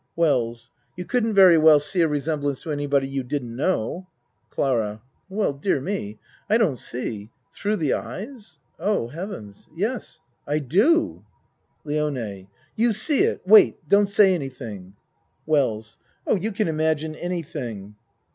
WELLS You couldn't very well see a resem blance to anybody you didn't know. CLARA Well, dear me. I don't see thro' the eyes Oh, Heaven's yes I do. LIONE You see it! Wait! Don't say anything. WELLS Oh, you can imagine anything.